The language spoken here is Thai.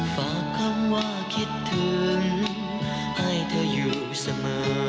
ฝากคำว่าคิดถึงให้เธออยู่เสมอ